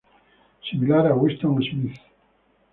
Similar a Winston Smith.